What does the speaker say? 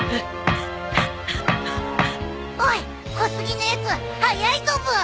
おい小杉のやつ速いぞブー。